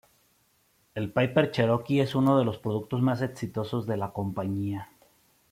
El Piper Cherokee es uno de los productos más exitosos de la compañía.